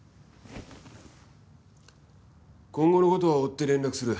今後の事は追って連絡する。